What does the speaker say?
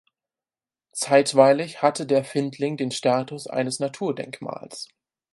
Zeitweilig hatte der Findling den Status eines Naturdenkmals.